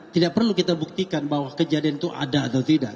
tidak perlu kita buktikan bahwa kejadian itu ada atau tidak